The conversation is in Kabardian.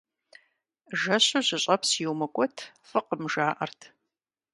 Жэщу жьыщӀэпс иумыкӀут, фӀыкъым, жаӀэрт.